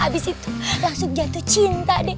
habis itu langsung jatuh cinta deh